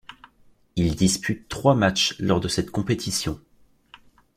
Il dispute trois matchs lors de cette compétition.